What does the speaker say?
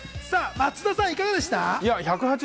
松田さん、いかがでした？